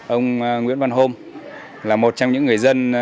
ông nguyễn văn hôm là một trong những người dân